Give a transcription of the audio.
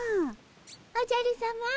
おじゃるさま。